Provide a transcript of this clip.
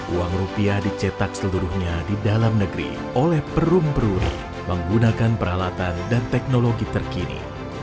uang rupiah dicetak seluruhnya di dalam negeri oleh perum peru menggunakan peralatan dan teknologi terkini